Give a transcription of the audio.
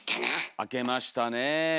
明けましたねえ。